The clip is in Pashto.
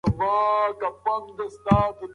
روغتیا ساتل د کورنۍ د پلار د کار برخه ده.